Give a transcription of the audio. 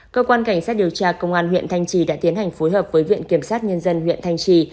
cơ quan cảnh sát điều tra công an huyện thanh trì đã tiến hành phối hợp với viện kiểm sát nhân dân huyện thanh trì